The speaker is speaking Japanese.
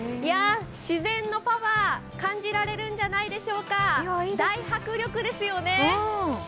自然のパワー感じられるんじゃないでしょうか大迫力ですよね。